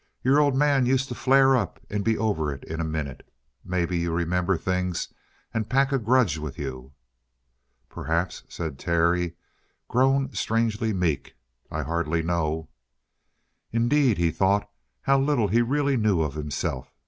"Your old man used to flare up and be over it in a minute. Maybe you remember things and pack a grudge with you." "Perhaps," said Terry, grown strangely meek. "I hardly know." Indeed, he thought, how little he really knew of himself.